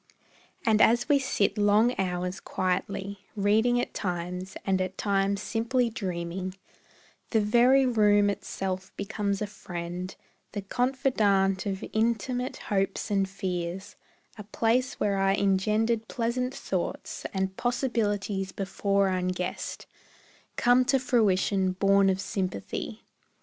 And as we sit long hours quietly, Reading at times, and at times simply dreaming, The very room itself becomes a friend, The confidant of intimate hopes and fears; A place where are engendered pleasant thoughts, And possibilities before unguessed Come to fruition born of sympathy.